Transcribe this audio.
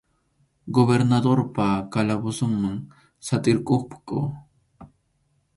Gobernadorpa calabozonman satʼirquqku.